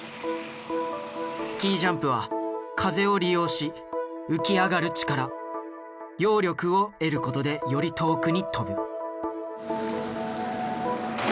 スキージャンプは風を利用し浮き上がる力揚力を得ることでより遠くに飛ぶ。